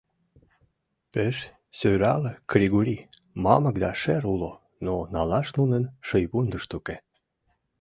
Пеш сӧрале кригури, мамык да шер уло, но налаш нунын шийвундышт уке.